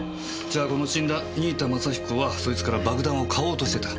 じゃあこの死んだ新井田政彦はそいつから爆弾を買おうとしてた。